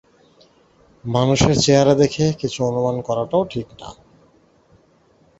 মানুষের চেহারা দেখে কিছু অনুমান করাটাও ঠিক না।